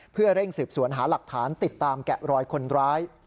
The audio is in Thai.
เพื่อเร่งสืบสวนหาหลักฐานติดตามแกะรอยคนร้าย